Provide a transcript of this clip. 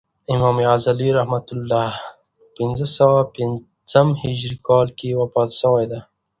امام غزالی رحمة الله په پنځه سوه پنځم هجري کال کښي وفات سوی دئ.